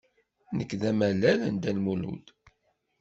Nekk d amalal n Dda Lmulud.